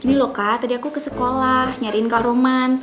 jadi loh kak tadi aku ke sekolah nyariin kak roman